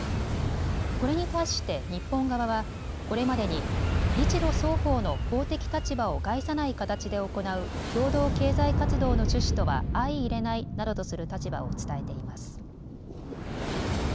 これに対して日本側はこれまでに日ロ双方の法的立場を害さない形で行う共同経済活動の趣旨とは相いれないなどとする立場を伝えています。